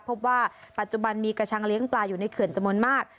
พบว่าปัจจุบันมีกระชังเลี้ยงปลาอยู่ในเขื่อนจำนวนมาก